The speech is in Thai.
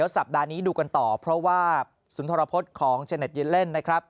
สัปดาห์นี้ดูกันต่อเพราะว่าศูนย์ธรพฤตของเช็นนท์เย็นเล่น